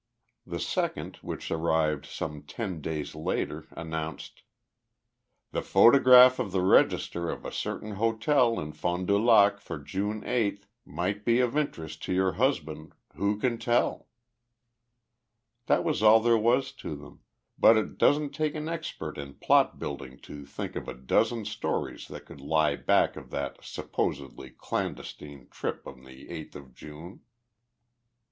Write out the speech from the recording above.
The second, which arrived some ten days later, announced: The photograph of the register of a certain hotel in Fond du Lac for June 8 might be of interest to your husband who can tell? That was all there was to them, but it doesn't take an expert in plot building to think of a dozen stories that could lie back of that supposedly clandestine trip on the eighth of June.